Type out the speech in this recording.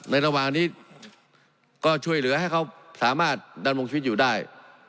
ระหว่างนี้ก็ช่วยเหลือให้เขาสามารถดำรงชีวิตอยู่ได้